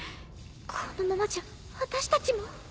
このままじゃ私たちも。